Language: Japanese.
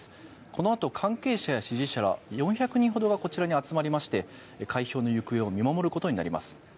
このあと関係者や支持者ら４００人ほどがこちらに集まりまして開票の行方を見守ることになります。